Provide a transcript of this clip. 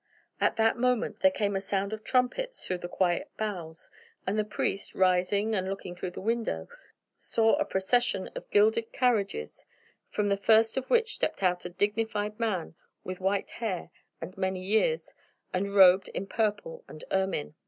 At that moment there came a sound of trumpets through the quiet boughs, and the priest, rising and looking through the window, saw a procession of gilded carriages, from the first of which stepped out a dignified man with white hair and many years, and robed in purple and ermine.